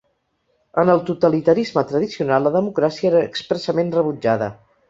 En el totalitarisme tradicional la democràcia era expressament rebutjada.